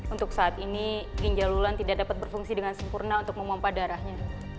untuk saat ini ginjal wulan tidak dapat berfungsi dengan sempurna untuk memompa darahnya